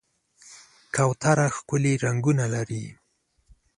کوتره ښکلي رنګونه لري.